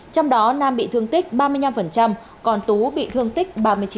trong đó nam bị thương tích ba mươi năm còn tú bị thương tích ba mươi chín